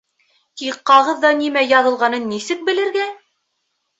Тик ҡағыҙҙа нимә яҙылғанын нисек белергә?